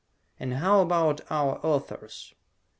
And how about our authors?